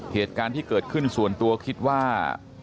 เหตุการณ์ที่เกิดขึ้นส่วนตัวคิดว่า